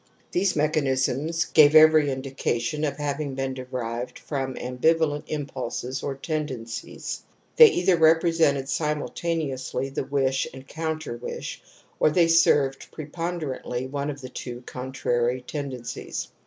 These mechan isms gave every indication of having been derived from ambivalent impulses or tendencies, they either represented simultaneously the wish and counter wish or they served preponder antly one of the two contrary tendencies